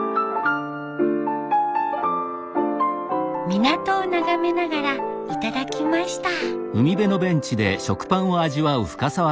港を眺めながら頂きました。